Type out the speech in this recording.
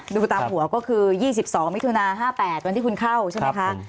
ดูตามหัวก็คือยี่สิบสองมิถุนาห้าแปดวันที่คุณเข้าใช่ไหมคะครับ